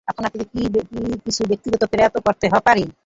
আপনাকে কি কিছু ব্যক্তিগত প্রশ্ন করতে পারি?